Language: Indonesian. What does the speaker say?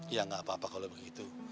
ya nggak apa apa kalau begitu